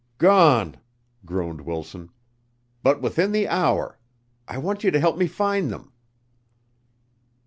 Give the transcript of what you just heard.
"Gone," groaned Wilson. "But within the hour. I want you to help me find them."